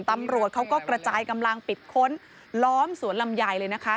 ตำรวจเขาก็กระจายกำลังปิดค้นล้อมสวนลำไยเลยนะคะ